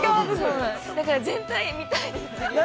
だから全体が見たいです。